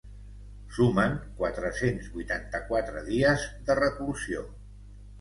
Sumen quatre-cents vuitanta-quatre dies de reclusió.